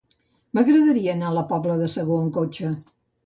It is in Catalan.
M'agradaria anar a la Pobla de Segur amb cotxe.